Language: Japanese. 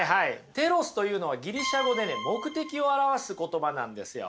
テロスというのはギリシャ語でね目的を表す言葉なんですよ。